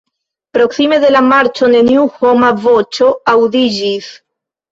Proksime de la marĉo neniu homa voĉo aŭdiĝis.